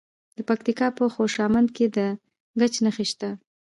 د پکتیکا په خوشامند کې د ګچ نښې شته.